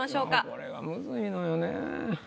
これはむずいのよね。